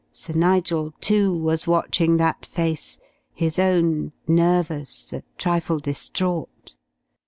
Sir Nigel, too, was watching that face, his own nervous, a trifle distraught.